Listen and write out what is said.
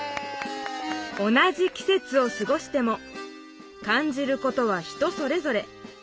同じ季せつをすごしても感じることは人それぞれ。